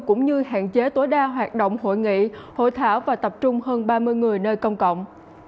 cũng như hạn chế tối đa hoạt động hội nghị hội thảo và tập trung hơn ba mươi người nơi công cộng